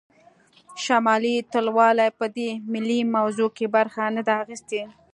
شمالي ټلوالې په دې ملي موضوع کې برخه نه ده اخیستې